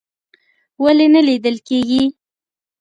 ولې نه لیدل کیږي؟